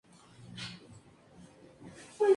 Le Thoult-Trosnay